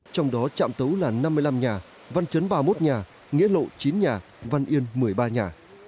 trong đó trạm tấu là năm mươi năm nhà văn chấn ba mươi một nhà nghĩa lộ chín nhà văn yên một mươi ba nhà